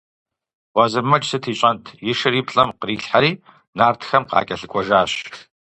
Уэзырмэдж сыт ищӏэнт – и шыр и плӏэм кърилъхьэри, нартхэм къакӏэлъыкӏуэжащ.